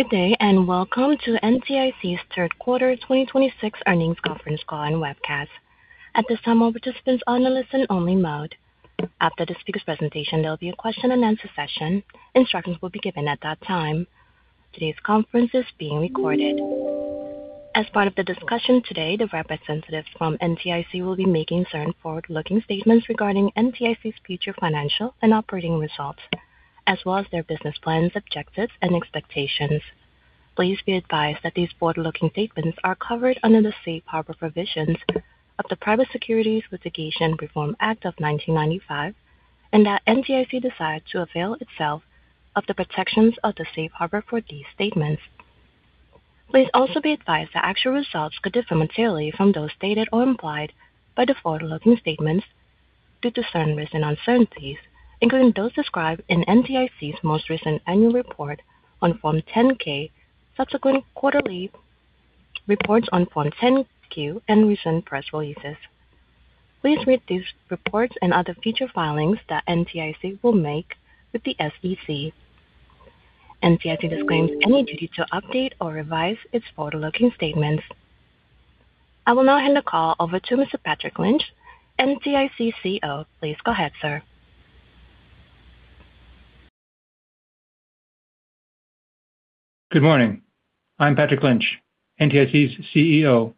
Good day, welcome to NTIC's Third Quarter 2026 Earnings Conference Call and Webcast. At this time, all participants are on a listen-only mode. After the speaker's presentation, there'll be a question-and-answer session. Instructions will be given at that time. Today's conference is being recorded. As part of the discussion today, the representatives from NTIC will be making certain forward-looking statements regarding NTIC's future financial and operating results, as well as their business plans, objectives, and expectations. Please be advised that these forward-looking statements are covered under the safe harbor provisions of the Private Securities Litigation Reform Act of 1995 and that NTIC desires to avail itself of the protections of the safe harbor for these statements. Please also be advised that actual results could differ materially from those stated or implied by the forward-looking statements due to certain risks and uncertainties, including those described in NTIC's most recent annual report on Form 10-K, subsequent quarterly reports on Form 10-Q, and recent press releases. Please read these reports and other future filings that NTIC will make with the SEC. NTIC disclaims any duty to update or revise its forward-looking statements. I will now hand the call over to Mr. Patrick Lynch, NTIC's CEO. Please go ahead, sir. Good morning. I'm Patrick Lynch, NTIC's CEO,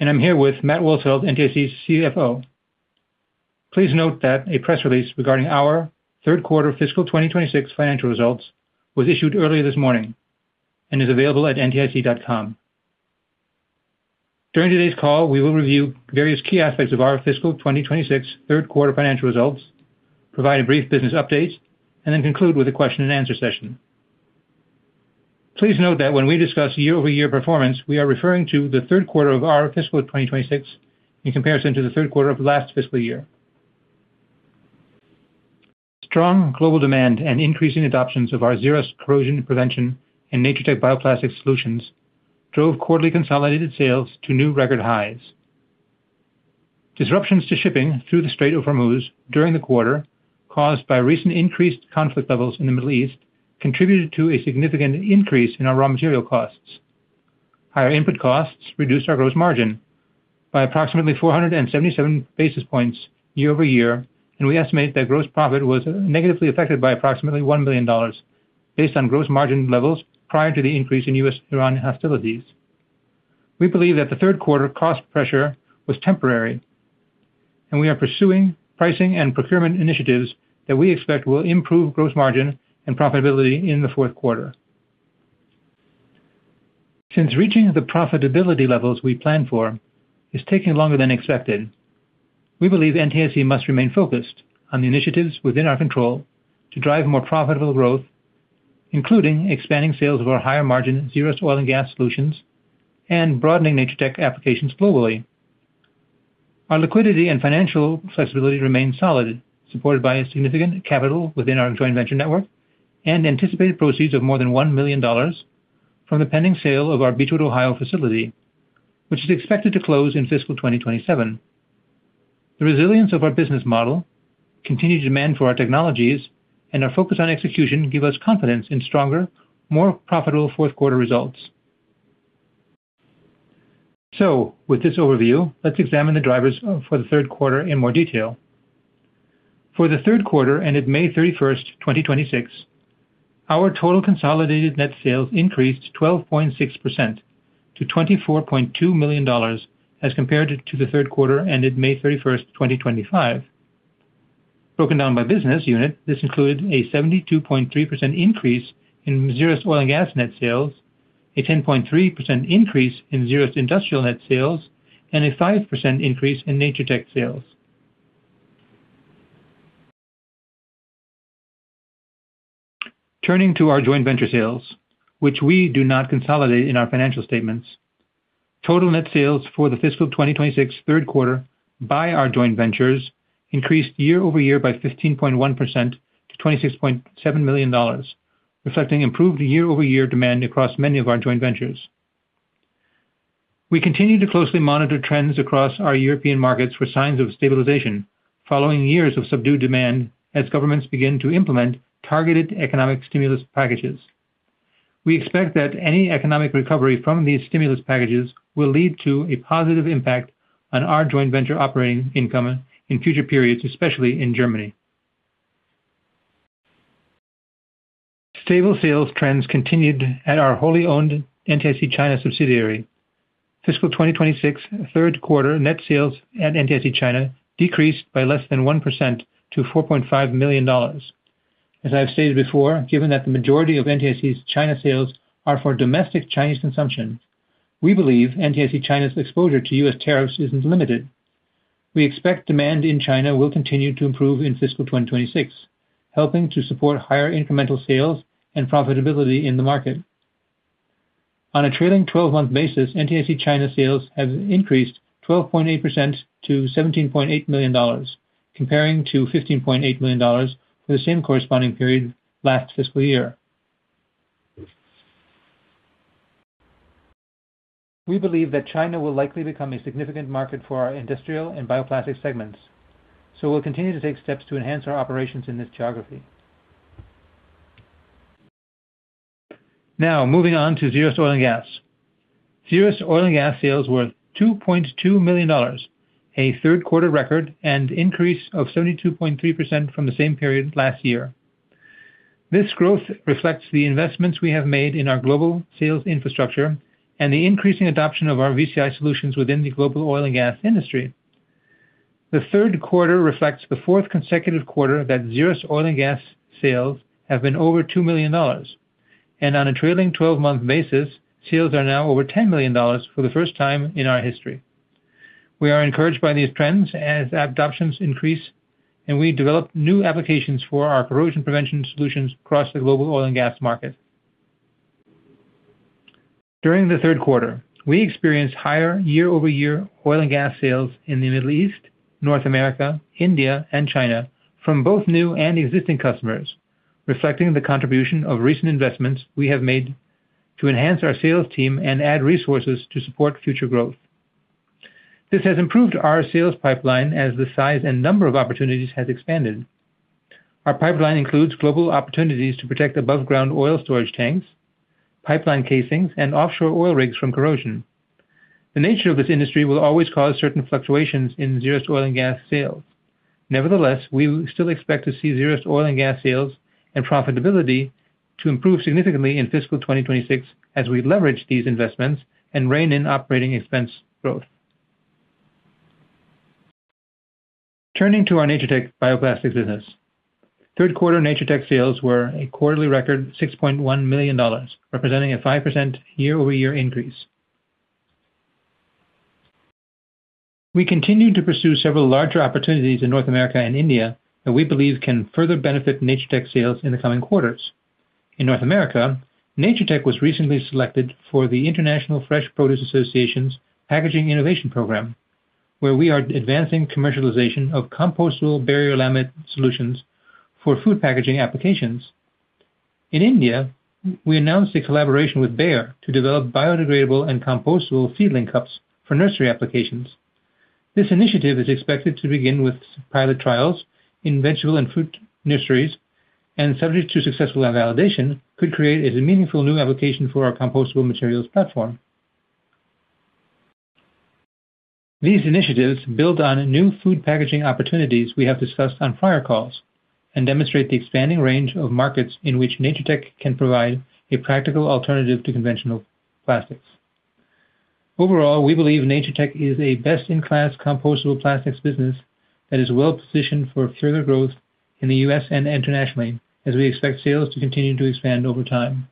and I'm here with Matt Wolsfeld, NTIC's CFO. Please note that a press release regarding our third quarter fiscal 2026 financial results was issued earlier this morning and is available at ntic.com. During today's call, we will review various key aspects of our fiscal 2026 third-quarter financial results, provide a brief business update, and then conclude with a question-and-answer session. Please note that when we discuss year-over-year performance, we are referring to the third quarter of our fiscal 2026 in comparison to the third quarter of last fiscal year. Strong global demand and increasing adoptions of our ZERUST corrosion prevention and Natur-Tec bioplastic solutions drove quarterly consolidated sales to new record highs. Disruptions to shipping through the Strait of Hormuz during the quarter, caused by recent increased conflict levels in the Middle East, contributed to a significant increase in our raw material costs. Higher input costs reduced our gross margin by approximately 477 basis points year-over-year, and we estimate that gross profit was negatively affected by approximately $1 million based on gross margin levels prior to the increase in U.S.-Iran hostilities. We believe that the third quarter cost pressure was temporary, and we are pursuing pricing and procurement initiatives that we expect will improve gross margin and profitability in the fourth quarter. Since reaching the profitability levels we planned for is taking longer than expected, we believe NTIC must remain focused on the initiatives within our control to drive more profitable growth, including expanding sales of our higher-margin ZERUST oil and gas solutions and broadening Natur-Tec applications globally. Our liquidity and financial flexibility remain solid, supported by a significant capital within our joint venture network and anticipated proceeds of more than $1 million from the pending sale of our Beachwood, Ohio, facility, which is expected to close in fiscal 2027. The resilience of our business model, continued demand for our technologies, and our focus on execution give us confidence in stronger, more profitable fourth quarter results. With this overview, let's examine the drivers for the third quarter in more detail. For the third quarter ended May 31st, 2026, our total consolidated net sales increased 12.6% to $24.2 million as compared to the third quarter ended May 31st, 2025. Broken down by business unit, this included a 72.3% increase in ZERUST oil and gas net sales, a 10.3% increase in ZERUST industrial net sales, and a 5% increase in Natur-Tec sales. Turning to our joint venture sales, which we do not consolidate in our financial statements, total net sales for the fiscal 2026 third quarter by our joint ventures increased year-over-year by 15.1% to $26.7 million, reflecting improved year-over-year demand across many of our joint ventures. We continue to closely monitor trends across our European markets for signs of stabilization following years of subdued demand as governments begin to implement targeted economic stimulus packages. We expect that any economic recovery from these stimulus packages will lead to a positive impact on our joint venture operating income in future periods, especially in Germany. Stable sales trends continued at our wholly-owned NTIC China subsidiary. Fiscal 2026 third-quarter net sales at NTIC China decreased by less than 1% to $4.5 million. As I have stated before, given that the majority of NTIC's China sales are for domestic Chinese consumption, we believe NTIC China's exposure to U.S. tariffs is limited. We expect demand in China will continue to improve in fiscal 2026, helping to support higher incremental sales and profitability in the market. On a trailing 12-month basis, NTIC China sales have increased 12.8% to $17.8 million, comparing to $15.8 million for the same corresponding period last fiscal year. We believe that China will likely become a significant market for our industrial and bioplastic segments. We'll continue to take steps to enhance our operations in this geography. Now moving on to ZERUST oil and gas. ZERUST oil and gas sales were $2.2 million, a third quarter record, an increase of 72.3% from the same period last year. This growth reflects the investments we have made in our global sales infrastructure and the increasing adoption of our VCI solutions within the global oil and gas industry. The third quarter reflects the fourth consecutive quarter that ZERUST oil and gas sales have been over $2 million, and on a trailing 12-month basis, sales are now over $10 million for the first time in our history. We are encouraged by these trends as adoptions increase and we develop new applications for our corrosion prevention solutions across the global oil and gas market. During the third quarter, we experienced higher year-over-year oil and gas sales in the Middle East, North America, India, and China from both new and existing customers, reflecting the contribution of recent investments we have made to enhance our sales team and add resources to support future growth. This has improved our sales pipeline as the size and number of opportunities has expanded. Our pipeline includes global opportunities to protect above-ground oil storage tanks, pipeline casings, and offshore oil rigs from corrosion. The nature of this industry will always cause certain fluctuations in ZERUST oil and gas sales. Nevertheless, we still expect to see ZERUST oil and gas sales and profitability to improve significantly in fiscal 2026 as we leverage these investments and rein in operating expense growth. Turning to our Natur-Tec bioplastics business. Third quarter Natur-Tec sales were a quarterly record $6.1 million, representing a 5% year-over-year increase. We continue to pursue several larger opportunities in North America and India that we believe can further benefit Natur-Tec sales in the coming quarters. In North America, Natur-Tec was recently selected for the International Fresh Produce Association's Packaging Innovation Program, where we are advancing commercialization of compostable barrier laminate solutions for food packaging applications. In India, we announced a collaboration with Bayer to develop biodegradable and compostable seedling cups for nursery applications. This initiative is expected to begin with pilot trials in vegetable and fruit nurseries, and subject to successful validation, could create a meaningful new application for our compostable materials platform. These initiatives build on new food packaging opportunities we have discussed on prior calls and demonstrate the expanding range of markets in which Natur-Tec can provide a practical alternative to conventional plastics. Overall, we believe Natur-Tec is a best-in-class compostable plastics business that is well-positioned for further growth in the U.S. and internationally as we expect sales to continue to expand over time.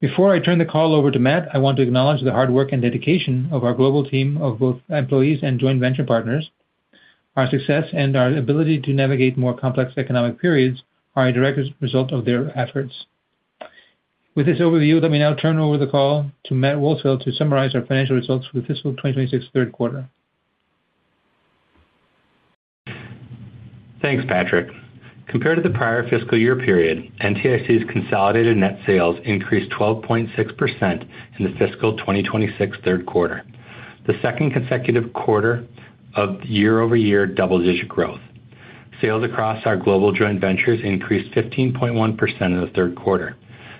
Before I turn the call over to Matt, I want to acknowledge the hard work and dedication of our global team of both employees and joint venture partners. Our success and our ability to navigate more complex economic periods are a direct result of their efforts. With this overview, let me now turn over the call to Matt Wolsfeld to summarize our financial results for the fiscal 2026 third quarter. Thanks, Patrick. Compared to the prior fiscal year period, NTIC's consolidated net sales increased 12.6% in the fiscal 2026 third quarter, the second consecutive quarter of year-over-year double-digit growth. Sales across our global joint ventures increased 15.1% in the third quarter.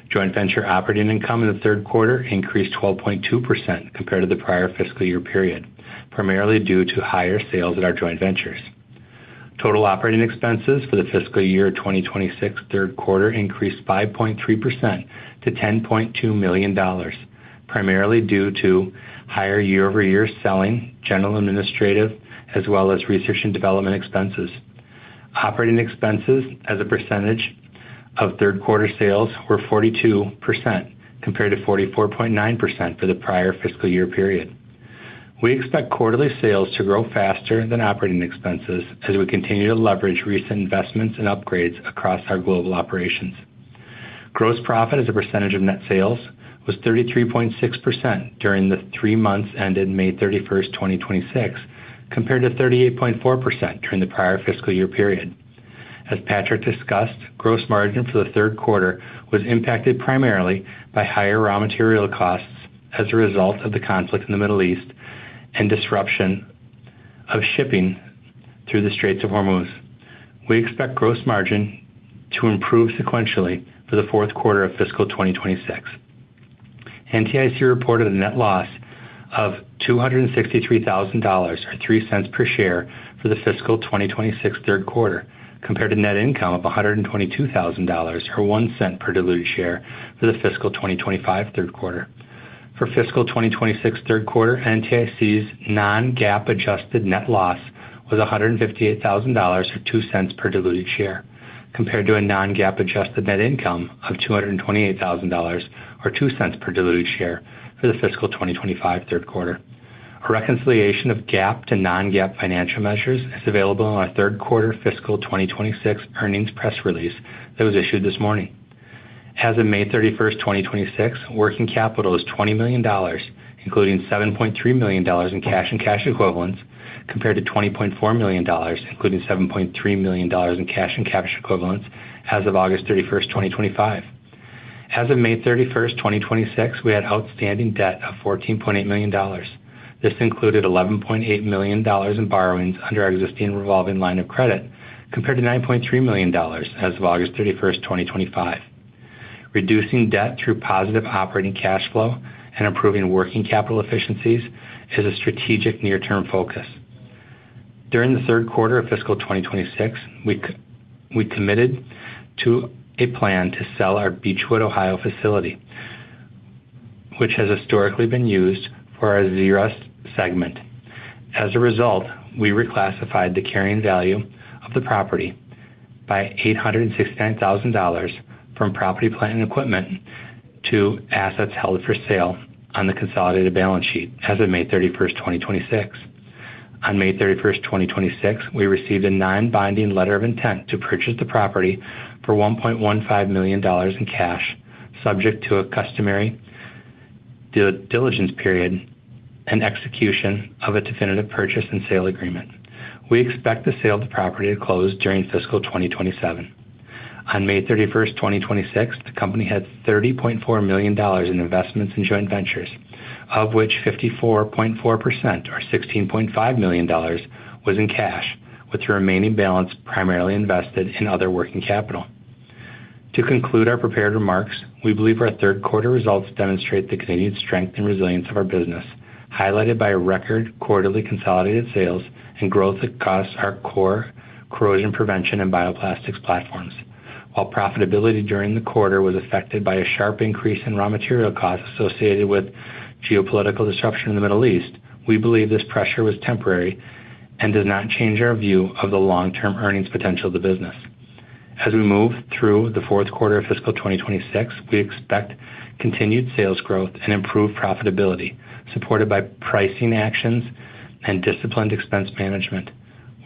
Joint venture operating income in the third quarter increased 12.2% compared to the prior fiscal year period, primarily due to higher sales at our joint ventures. Total operating expenses for the fiscal year 2026 third quarter increased 5.3% to $10.2 million, primarily due to higher year-over-year selling, general & administrative, as well as research and development expenses. Operating expenses as a percentage of third-quarter sales were 42% compared to 44.9% for the prior fiscal year period. We expect quarterly sales to grow faster than operating expenses as we continue to leverage recent investments and upgrades across our global operations. Gross profit as a percentage of net sales was 33.6% during the three months ended May 31st, 2026, compared to 38.4% during the prior fiscal year period. As Patrick discussed, gross margin for the third quarter was impacted primarily by higher raw material costs as a result of the conflict in the Middle East and disruption of shipping through the Strait of Hormuz. We expect gross margin to improve sequentially for the fourth quarter of fiscal 2026. NTIC reported a net loss of $263,000, or $0.03 per share for the fiscal 2026 third quarter, compared to net income of $122,000, or $0.01 per diluted share for the fiscal 2025 third quarter. For fiscal 2026 third quarter, NTIC's non-GAAP adjusted net loss was $158,000, or $0.02 per diluted share, compared to a non-GAAP adjusted net income of $228,000, or $0.02 per diluted share for the fiscal 2025 third quarter. A reconciliation of GAAP to non-GAAP financial measures is available in our third quarter fiscal 2026 earnings press release that was issued this morning. As of May 31st, 2026, working capital is $20 million, including $7.3 million in cash and cash equivalents, compared to $20.4 million, including $7.3 million in cash and cash equivalents as of August 31st, 2025. As of May 31st, 2026, we had outstanding debt of $14.8 million. This included $11.8 million in borrowings under our existing revolving line of credit, compared to $9.3 million as of August 31st, 2025. Reducing debt through positive operating cash flow and improving working capital efficiencies is a strategic near-term focus. During the third quarter of fiscal 2026, we committed to a plan to sell our Beachwood, Ohio facility, which has historically been used for our ZERUST segment. As a result, we reclassified the carrying value of the property by $869,000 from property, plant, and equipment to assets held for sale on the consolidated balance sheet as of May 31st, 2026. On May 31st, 2026, we received a non-binding letter of intent to purchase the property for $1.15 million in cash, subject to a customary due diligence period and execution of a definitive purchase and sale agreement. We expect the sale of the property to close during fiscal 2027. On May 31st, 2026, the company had $30.4 million in investments in joint ventures, of which 54.4%, or $16.5 million, was in cash, with the remaining balance primarily invested in other working capital. To conclude our prepared remarks, we believe our third quarter results demonstrate the continued strength and resilience of our business, highlighted by record quarterly consolidated sales and growth across our core corrosion prevention and bioplastics platforms. While profitability during the quarter was affected by a sharp increase in raw material costs associated with geopolitical disruption in the Middle East, we believe this pressure was temporary and does not change our view of the long-term earnings potential of the business. As we move through the fourth quarter of fiscal 2026, we expect continued sales growth and improved profitability, supported by pricing actions and disciplined expense management.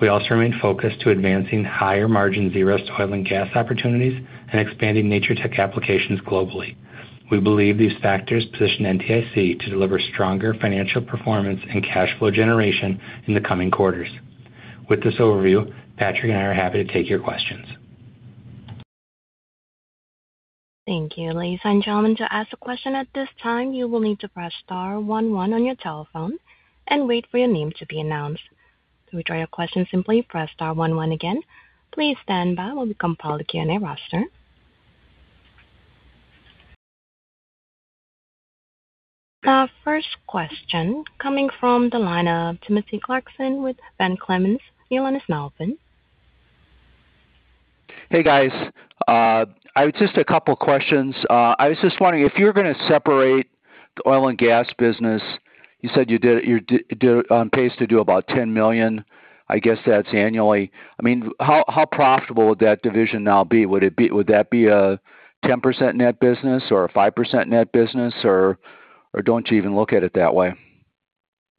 We also remain focused to advancing higher margin ZERUST oil and gas opportunities and expanding Natur-Tec applications globally. We believe these factors position NTIC to deliver stronger financial performance and cash flow generation in the coming quarters. With this overview, Patrick and I are happy to take your questions. Thank you. Ladies and gentlemen, to ask a question at this time, you will need to press star one one on your telephone and wait for your name to be announced. To withdraw your question, simply press star one one again. Please stand by while we compile the Q&A roster. Our first question coming from the line of Timothy Clarkson with Van Clemens. Your line is now open. Hey, guys. Just a couple of questions. I was just wondering, if you're going to separate the oil and gas business, you said you're on pace to do about $10 million. I guess that's annually. How profitable would that division now be? Would that be a 10% net business or a 5% net business, or don't you even look at it that way?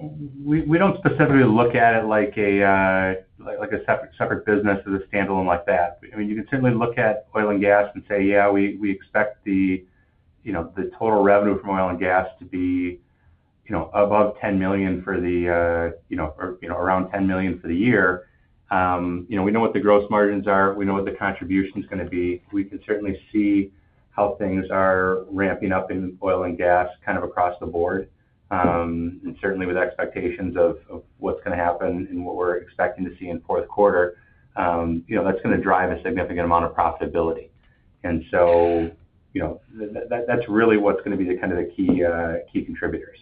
We don't specifically look at it like a separate business as a standalone like that. You can certainly look at oil and gas and say, yeah, we expect the total revenue from oil and gas to be around $10 million for the year. We know what the gross margins are. We know what the contribution is going to be. We can certainly see how things are ramping up in oil and gas across the board, and certainly with expectations of what's going to happen and what we're expecting to see in the fourth quarter. That's really what's going to be the key contributors.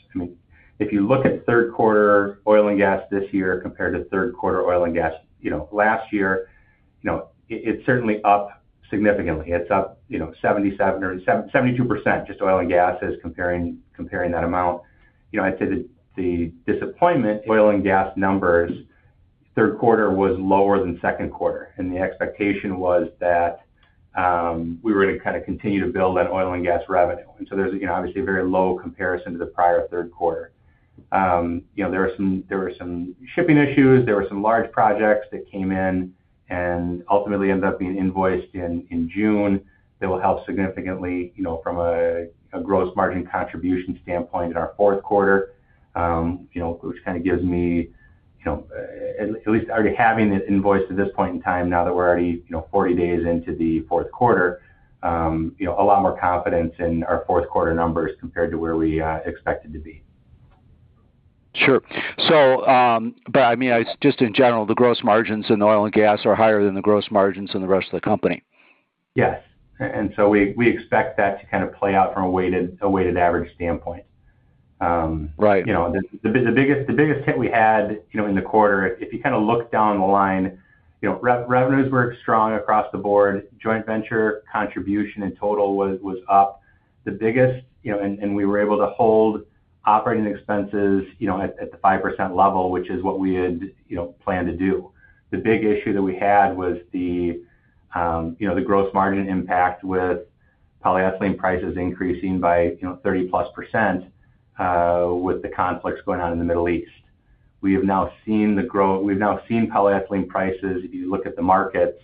If you look at third quarter oil and gas this year compared to third quarter oil and gas last year, it's certainly up significantly. It's up 72%, just oil and gas as comparing that amount. I'd say that the disappointment in oil and gas numbers, third quarter was lower than second quarter, and the expectation was that we were going to continue to build that oil and gas revenue. There's obviously a very low comparison to the prior third quarter. There were some shipping issues. There were some large projects that came in and ultimately ended up being invoiced in June that will help significantly from a gross margin contribution standpoint in our fourth quarter, which gives me, at least already having it invoiced at this point in time, now that we're already 40 days into the fourth quarter, a lot more confidence in our fourth quarter numbers compared to where we expected to be. Sure. Just in general, the gross margins in oil and gas are higher than the gross margins in the rest of the company. Yes. We expect that to play out from a weighted average standpoint. Right. The biggest hit we had in the quarter, if you look down the line, revenues were strong across the board. Joint venture contribution in total was up the biggest, and we were able to hold operating expenses at the 5% level, which is what we had planned to do. The big issue that we had was the gross margin impact with polyethylene prices increasing by 30%+ with the conflicts going on in the Middle East. We have now seen polyethylene prices, if you look at the markets,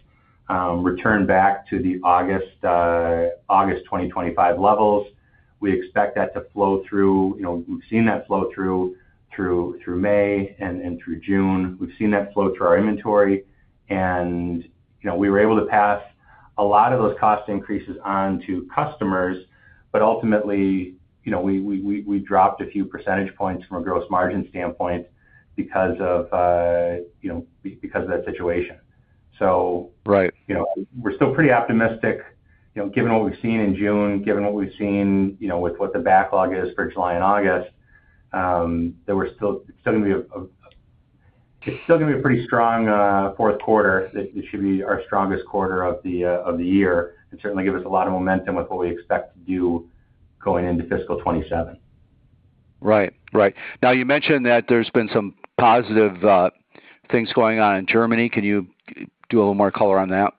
return back to the August 2025 levels. We expect that to flow through. We've seen that flow through May and through June. We've seen that flow through our inventory, and we were able to pass a lot of those cost increases on to customers. Ultimately, we dropped a few percentage points from a gross margin standpoint because of that situation. Right. We're still pretty optimistic, given what we've seen in June, given what we've seen with what the backlog is for July and August, that it's still going to be a pretty strong fourth quarter, that it should be our strongest quarter of the year, and certainly give us a lot of momentum with what we expect to do going into fiscal 2027. Right. You mentioned that there's been some positive things going on in Germany. Can you do a little more color on that?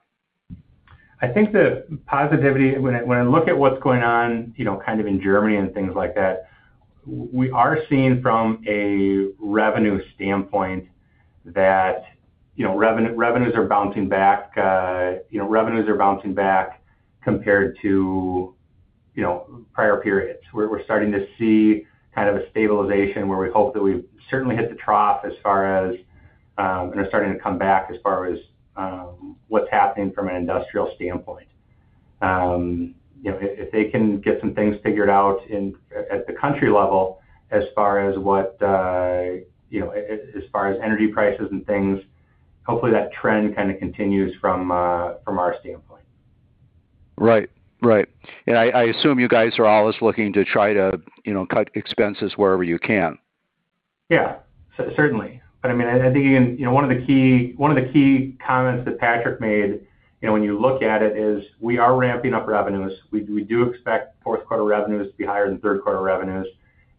I think the positivity, when I look at what's going on, kind of in Germany and things like that, we are seeing from a revenue standpoint that revenues are bouncing back compared to prior periods. We're starting to see kind of a stabilization where we hope that we've certainly hit the trough and are starting to come back as far as what's happening from an industrial standpoint. If they can get some things figured out at the country level as far as energy prices and things, hopefully that trend kind of continues from our standpoint. Right. I assume you guys are always looking to try to cut expenses wherever you can. Yeah, certainly. I think one of the key comments that Patrick made, when you look at it, is we are ramping up revenues. We do expect fourth quarter revenues to be higher than third quarter revenues,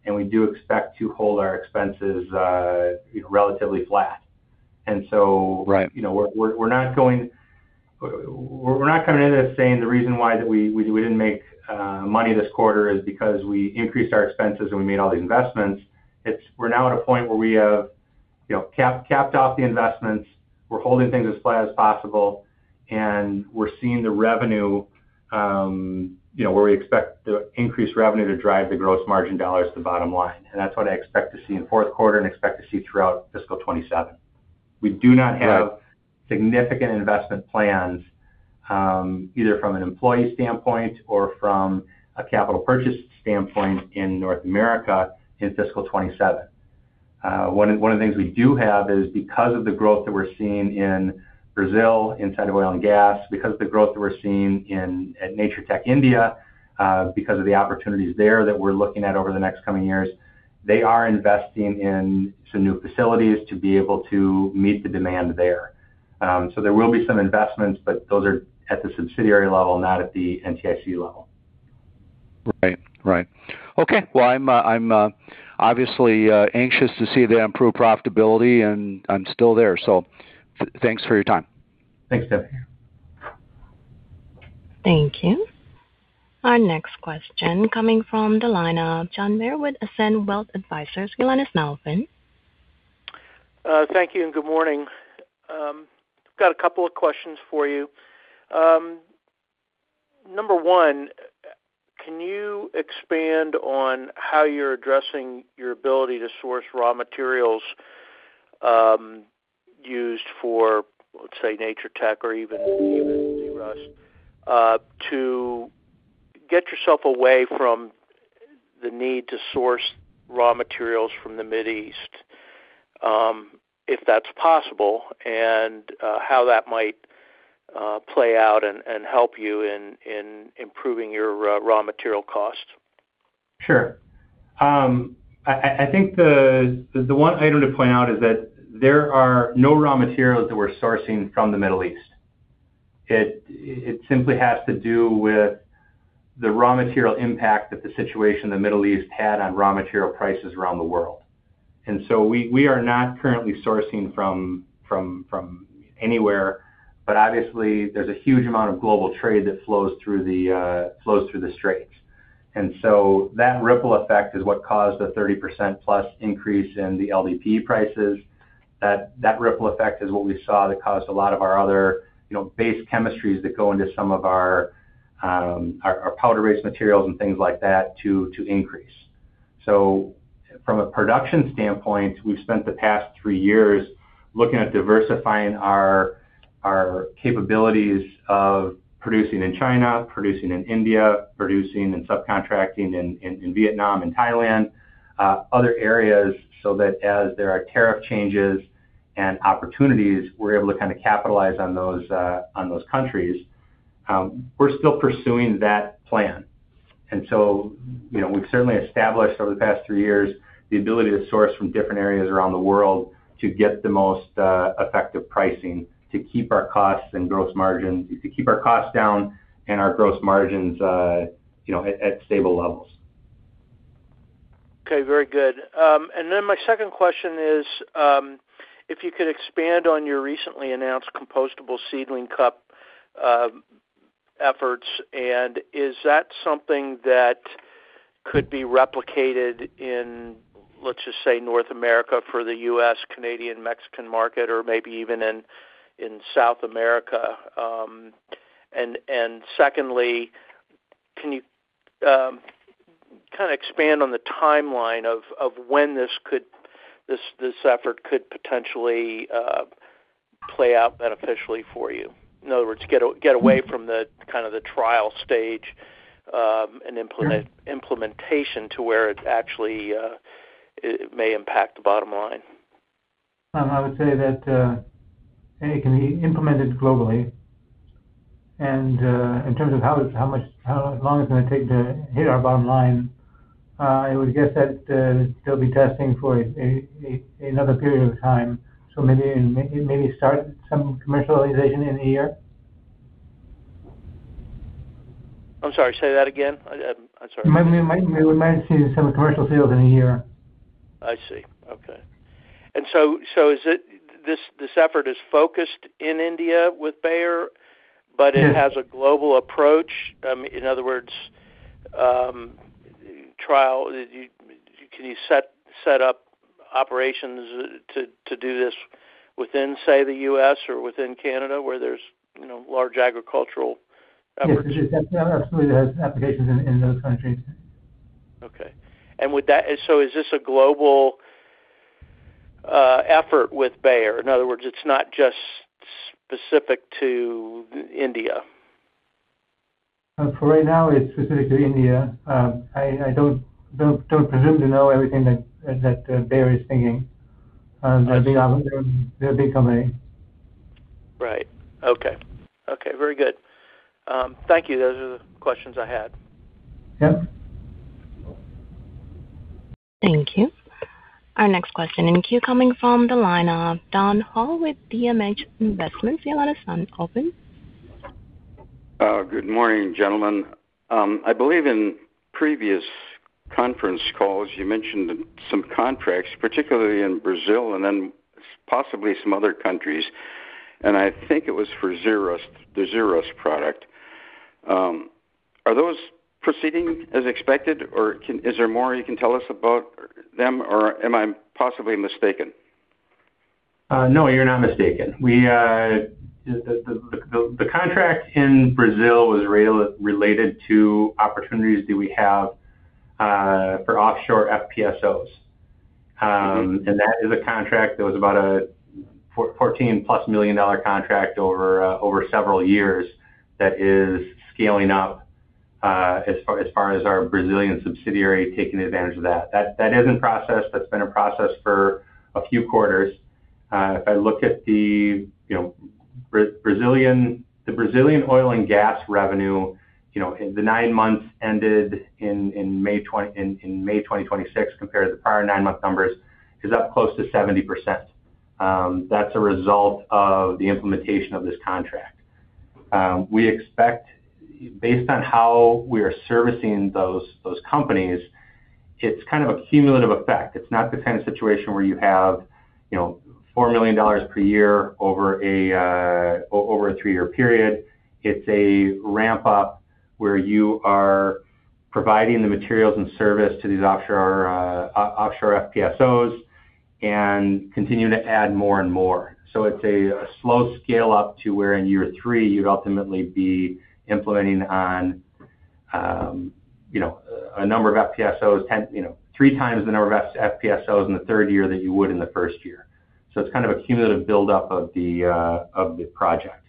and we do expect to hold our expenses relatively flat. Right. We're not coming into this saying the reason why that we didn't make money this quarter is because we increased our expenses, and we made all these investments. We're now at a point where we have capped off the investments. We're holding things as flat as possible, and we're seeing the revenue, where we expect the increased revenue to drive the gross margin dollars to the bottom line. That's what I expect to see in the fourth quarter and expect to see throughout fiscal 2027. We do not have Right significant investment plans, either from an employee standpoint or from a capital purchase standpoint in North America in fiscal 2027. One of the things we do have is because of the growth that we're seeing in Brazil, in ZERUST oil and gas, because of the growth that we're seeing at Natur-Tec India, because of the opportunities there that we're looking at over the next coming years, they are investing in some new facilities to be able to meet the demand there. There will be some investments, but those are at the subsidiary level, not at the NTIC level. Right. Okay. Well, I'm obviously anxious to see the improved profitability, and I'm still there. Thanks for your time. Thanks, Tim. Thank you. Our next question coming from the line of John Bair with Ascend Wealth Advisors. Your line is now open. Thank you. Good morning. I've got a couple of questions for you. Number one, can you expand on how you're addressing your ability to source raw materials used for, let's say, Natur-Tec or even ZERUST to get yourself away from the need to source raw materials from the Middle East, if that's possible, how that might play out and help you in improving your raw material costs? Sure. I think the one item to point out is that there are no raw materials that we're sourcing from the Middle East. It simply has to do with the raw material impact that the situation in the Middle East had on raw material prices around the world. We are not currently sourcing from anywhere, but obviously there's a huge amount of global trade that flows through the straits. That ripple effect is what caused the 30%+ increase in the LDPE prices. That ripple effect is what we saw that caused a lot of our other base chemistries that go into some of our powder-based materials and things like that to increase. From a production standpoint, we've spent the past three years looking at diversifying our capabilities of producing in China, producing in India, producing and subcontracting in Vietnam and Thailand, other areas, so that as there are tariff changes and opportunities, we're able to kind of capitalize on those countries. We're still pursuing that plan. We've certainly established over the past three years the ability to source from different areas around the world to get the most effective pricing to keep our costs down and our gross margins at stable levels. Okay. Very good. My second question is, if you could expand on your recently announced compostable seedling cup efforts, and is that something that could be replicated in, let's just say North America for the U.S., Canadian, Mexican market, or maybe even in South America. Secondly, can you expand on the timeline of when this effort could potentially play out beneficially for you? In other words, get away from the trial stage, and implementation to where it may impact the bottom line. I would say that it can be implemented globally. In terms of how long it's going to take to hit our bottom line, I would guess that they'll be testing for another period of time. Maybe start some commercialization in a year. I'm sorry, say that again. I'm sorry. We might see some commercial sales in a year. I see. Okay. This effort is focused in India with Bayer, but it has a global approach. In other words, can you set up operations to do this within, say, the U.S. or within Canada where there's large agricultural efforts? Yes. Absolutely, it has applications in those countries. Okay. Is this a global effort with Bayer? In other words, it's not just specific to India? For right now, it's specific to India. I don't presume to know everything that Bayer is thinking. They're a big company. Right. Okay. Very good. Thank you. Those are the questions I had. Yeah. Thank you. Our next question in queue coming from the line of Don Hall with DMH Investments. Your line is now open. Good morning, gentlemen. I believe in previous conference calls you mentioned some contracts, particularly in Brazil and then possibly some other countries, and I think it was for the ZERUST product. Are those proceeding as expected, or is there more you can tell us about them, or am I possibly mistaken? No, you're not mistaken. The contract in Brazil was related to opportunities that we have for offshore FPSOs. That is a contract that was about a $14+ million contract over several years that is scaling up as far as our Brazilian subsidiary taking advantage of that. That is in process. That's been in process for a few quarters. If I look at the Brazilian oil and gas revenue, the nine months ended in May 2026 compared to the prior nine-month numbers is up close to 70%. That's a result of the implementation of this contract. We expect based on how we are servicing those companies, it's kind of a cumulative effect. It's not the kind of situation where you have $4 million per year over a three-year period. It's a ramp-up where you are providing the materials and service to these offshore FPSOs and continue to add more and more. It's a slow scale-up to where in year three, you'd ultimately be implementing on a number of FPSOs, three times the number of FPSOs in the third year that you would in the first year. It's kind of a cumulative buildup of the project.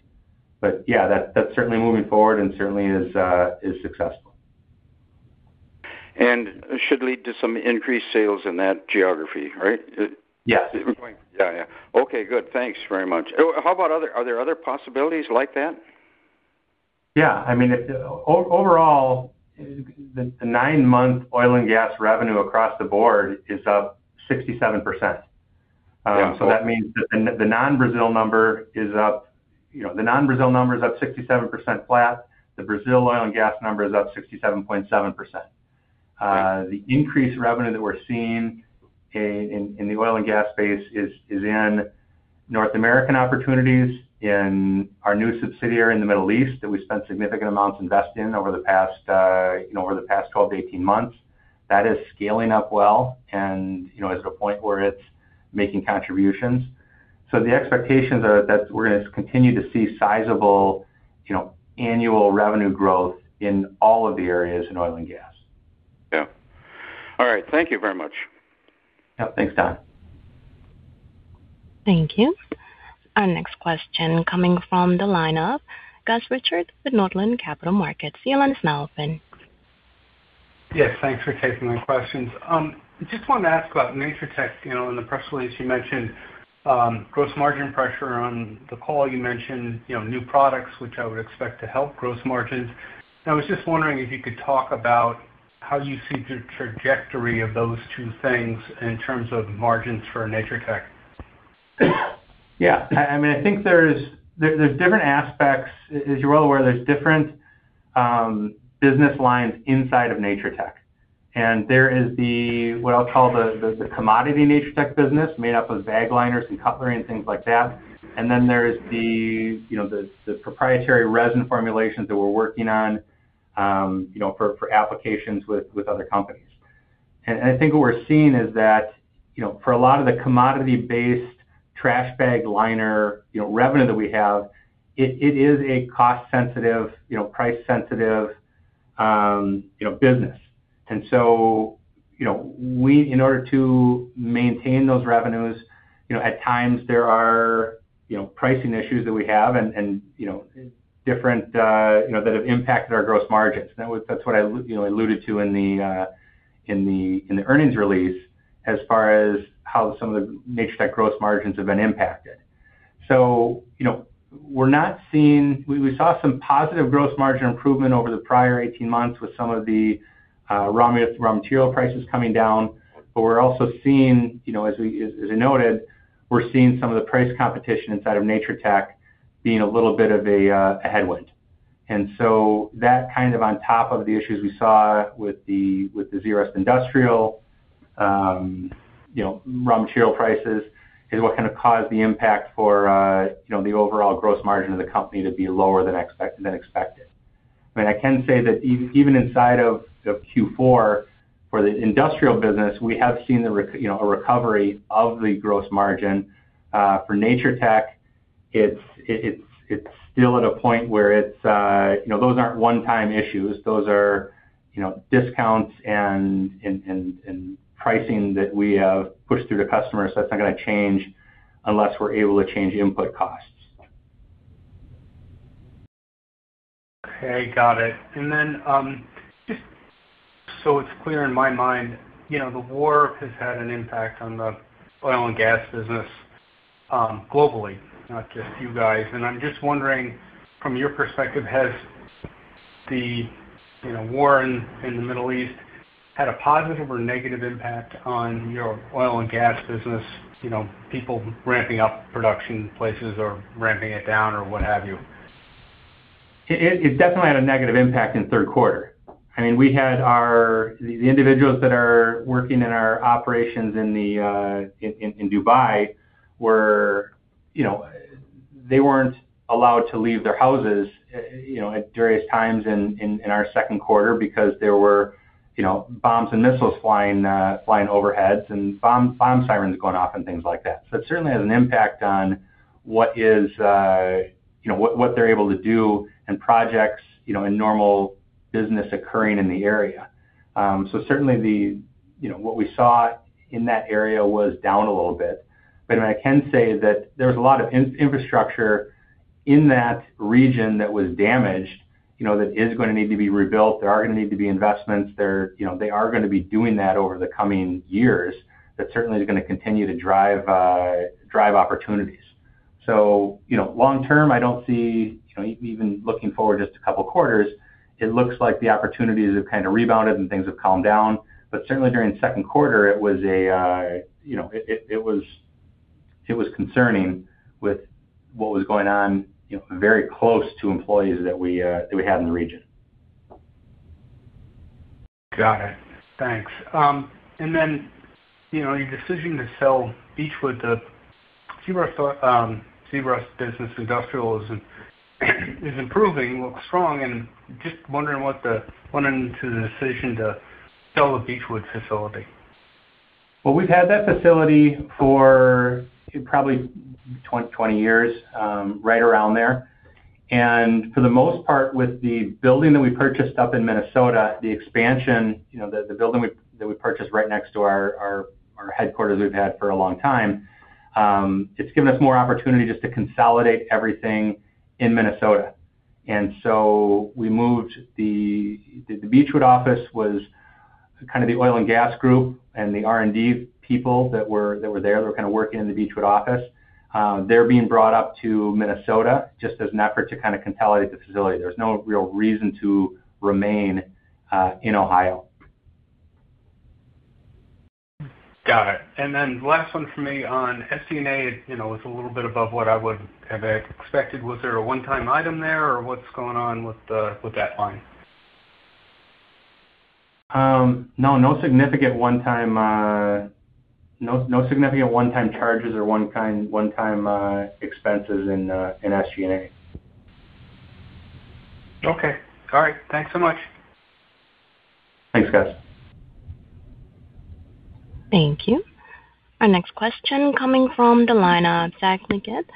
Yeah, that's certainly moving forward and certainly is successful. Should lead to some increased sales in that geography, right? Yes. Yeah. Okay, good. Thanks very much. Are there other possibilities like that? Yeah. Overall, the nine-month oil and gas revenue across the board is up 67%. Yeah. That means that the non-Brazil number is up 67% flat. The Brazil oil and gas number is up 67.7%. Great. The increased revenue that we're seeing in the oil and gas space is in North American opportunities, in our new subsidiary in the Middle East that we spent significant amounts investing in over the past 12-18 months. That is scaling up well and is at a point where it's making contributions. The expectations are that we're going to continue to see sizable annual revenue growth in all of the areas in oil and gas. Yeah. All right. Thank you very much. Yeah. Thanks, Don. Thank you. Our next question coming from the line of Gus Richard with Northland Capital Markets. Your line is now open. Yes. Thanks for taking my questions. Just wanted to ask about Natur-Tec. In the press release, you mentioned gross margin pressure. On the call you mentioned new products, which I would expect to help gross margins. I was just wondering if you could talk about how you see the trajectory of those two things in terms of margins for Natur-Tec. I think there's different aspects. As you're well aware, there's different business lines inside of Natur-Tec. There is what I'll call the commodity Natur-Tec business made up of bag liners and cutlery and things like that. Then there's the proprietary resin formulations that we're working on for applications with other companies. I think what we're seeing is that, for a lot of the commodity-based trash bag liner revenue that we have, it is a cost-sensitive, price-sensitive business. In order to maintain those revenues, at times there are pricing issues that we have and different that have impacted our gross margins. That's what I alluded to in the earnings release as far as how some of the Natur-Tec gross margins have been impacted. We saw some positive gross margin improvement over the prior 18 months with some of the raw material prices coming down. We're also seeing, as I noted, we're seeing some of the price competition inside of Natur-Tec being a little bit of a headwind. That kind of on top of the issues we saw with the ZERUST Industrial raw material prices is what kind of caused the impact for the overall gross margin of the company to be lower than expected. I mean, I can say that even inside of Q4 for the industrial business, we have seen a recovery of the gross margin. For Natur-Tec, it's still at a point where those aren't one-time issues. Those are discounts and pricing that we have pushed through to customers. That's not going to change unless we're able to change input costs. Okay, got it. Just so it's clear in my mind, the war has had an impact on the oil and gas business globally, not just you guys. I'm just wondering from your perspective, has the war in the Middle East had a positive or negative impact on your oil and gas business? People ramping up production places or ramping it down or what have you. It definitely had a negative impact in the third quarter. I mean, we had the individuals that are working in our operations in Dubai, they weren't allowed to leave their houses at various times in our second quarter because there were bombs and missiles flying overhead and bomb sirens going off and things like that. It certainly has an impact on what they're able to do and projects in normal business occurring in the area. Certainly what we saw in that area was down a little bit. I can say that there was a lot of infrastructure in that region that was damaged that is going to need to be rebuilt. There are going to need to be investments. They are going to be doing that over the coming years. That certainly is going to continue to drive opportunities. Long term, I don't see, even looking forward just a couple of quarters, it looks like the opportunities have kind of rebounded and things have calmed down. Certainly during the second quarter it was concerning with what was going on very close to employees that we had in the region. Got it. Thanks. Your decision to sell Beachwood, the ZERUST business, Industrial is improving, looks strong and just wondering into the decision to sell the Beachwood facility. Well, we've had that facility for probably 20 years, right around there. For the most part, with the building that we purchased up in Minnesota, the expansion, the building that we purchased right next to our headquarters we've had for a long time, it's given us more opportunity just to consolidate everything in Minnesota. We moved the Beachwood office was kind of the oil and gas group and the R&D people that were there, that were kind of working in the Beachwood office. They're being brought up to Minnesota just as an effort to kind of consolidate the facility. There's no real reason to remain in Ohio. Got it. Last one for me on SG&A. It's a little bit above what I would have expected. Was there a one-time item there or what's going on with that line? No significant one-time charges or one-time expenses in SG&A. Okay. All right. Thanks so much. Thanks, Gus. Thank you. Our next question coming from the line of Zach Liggett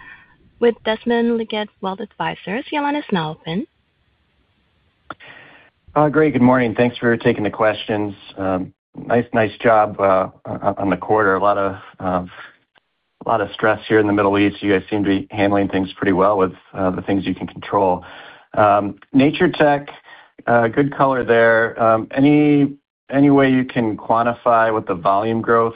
with Desmond Liggett Wealth Advisors. Your line is now open. Great, good morning. Thanks for taking the questions. Nice job on the quarter. A lot of stress here in the Middle East. You guys seem to be handling things pretty well with the things you can control. Natur-Tec, good color there. Any way you can quantify what the volume growth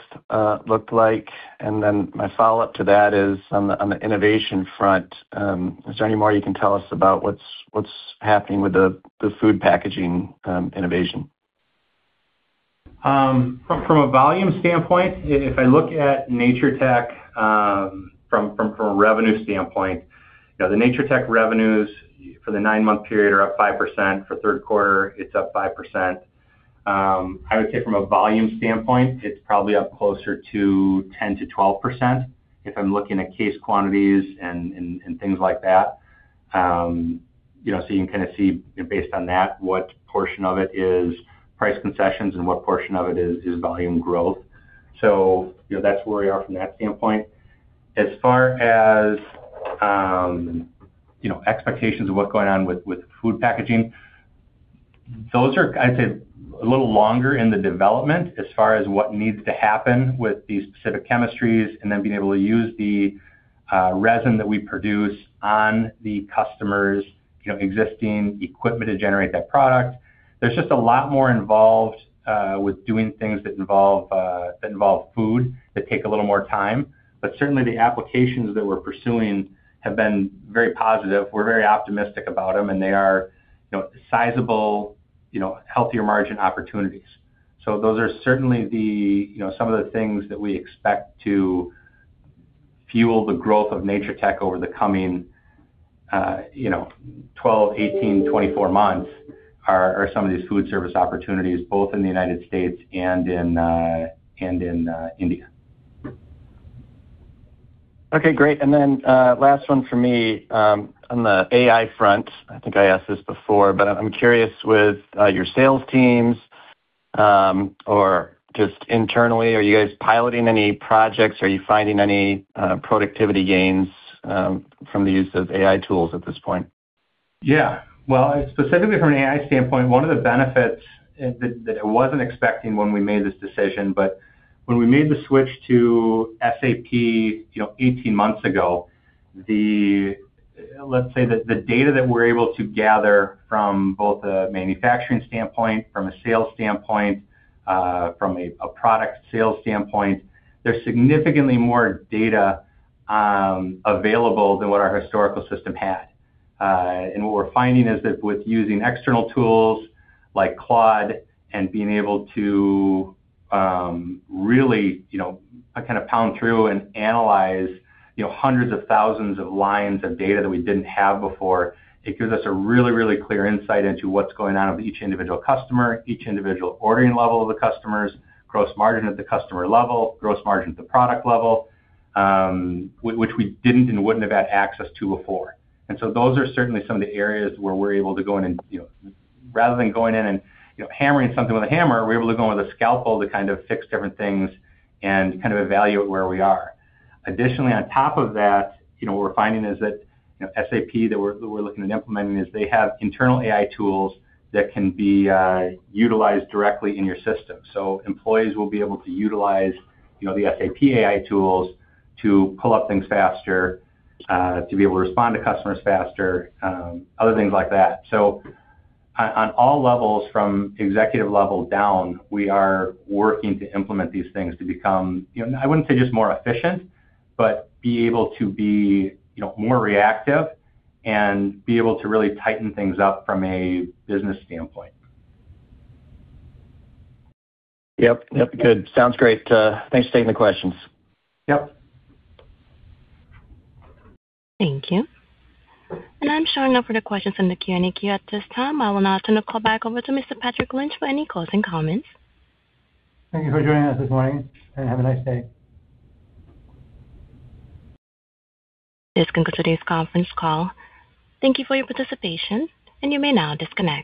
looked like? My follow-up to that is on the innovation front. Is there any more you can tell us about what's happening with the food packaging innovation? From a volume standpoint, if I look at Natur-Tec from a revenue standpoint, the Natur-Tec revenues for the nine-month period are up 5%. For third quarter, it's up 5%. I would say from a volume standpoint, it's probably up closer to 10%-12% if I'm looking at case quantities and things like that. You can see based on that what portion of it is price concessions and what portion of it is volume growth. That's where we are from that standpoint. As far as expectations of what's going on with food packaging, those are, I'd say, a little longer in the development as far as what needs to happen with these specific chemistries and then being able to use the resin that we produce on the customer's existing equipment to generate that product. There's just a lot more involved with doing things that involve food that take a little more time. Certainly the applications that we're pursuing have been very positive. We're very optimistic about them, and they are sizable, healthier margin opportunities. Those are certainly some of the things that we expect to fuel the growth of Natur-Tec over the coming 12, 18, 24 months are some of these food service opportunities, both in the United States and in India. Okay, great. Last one from me. On the AI front, I think I asked this before, I'm curious with your sales teams, or just internally, are you guys piloting any projects? Are you finding any productivity gains from the use of AI tools at this point? Well, specifically from an AI standpoint, one of the benefits that I wasn't expecting when we made this decision, when we made the switch to SAP 18 months ago, let's say that the data that we're able to gather from both a manufacturing standpoint, from a sales standpoint, from a product sales standpoint, there's significantly more data available than what our historical system had. What we're finding is that with using external tools like Claude and being able to really pound through and analyze hundreds of thousands of lines of data that we didn't have before, it gives us a really, really clear insight into what's going on with each individual customer, each individual ordering level of the customers, gross margin at the customer level, gross margin at the product level, which we didn't and wouldn't have had access to before. Those are certainly some of the areas where we're able to go in and rather than going in and hammering something with a hammer, we're able to go in with a scalpel to kind of fix different things and kind of evaluate where we are. Additionally, on top of that, what we're finding is that SAP, that we're looking at implementing is they have internal AI tools that can be utilized directly in your system. Employees will be able to utilize the SAP AI tools to pull up things faster, to be able to respond to customers faster, other things like that. On all levels, from executive level down, we are working to implement these things to become, I wouldn't say just more efficient, but be able to be more reactive and be able to really tighten things up from a business standpoint. Yep. Good. Sounds great. Thanks for taking the questions. Yep. Thank you. I'm showing no further questions in the Q&A queue at this time. I will now turn the call back over to Mr. Patrick Lynch for any closing comments. Thank you for joining us this morning, and have a nice day. This concludes today's conference call. Thank you for your participation, and you may now disconnect.